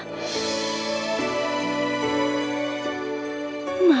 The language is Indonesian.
aku merasa sangat bersalah